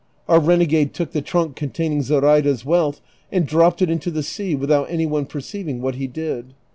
Our renegade took the trunk containing Zoraida's wealth and dropped it into the sea without any one perceiving what he did.